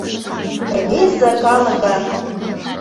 Рвезе калыкын!